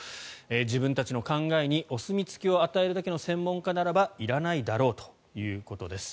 自分たちの考えにお墨付きを与えるだけの専門家ならいらないだろうということです。